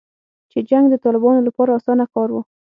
چې جنګ د طالبانو لپاره اسانه کار و